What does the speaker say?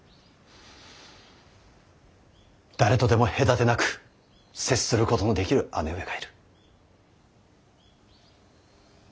誰とでも隔てなく接することのできる姉上がいる。